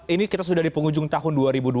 ini kita sudah di penghujung tahun dua ribu dua puluh